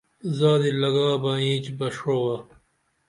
زادی لاگا بہ اینچ بہ ڜوعہ